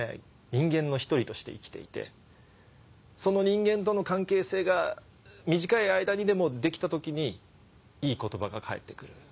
人間の１人として生きていてその人間との関係性が短い間にでもできた時にいい言葉が返って来る。